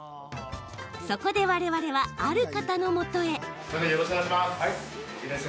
そこでわれわれはある方のもとへ。